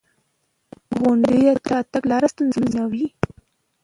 • غونډۍ د تګ راتګ لارې ستونزمنوي.